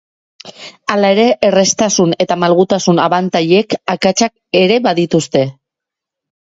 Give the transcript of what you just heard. Hala ere, erraztasun eta malgutasun abantailek akatsak ere badituzte.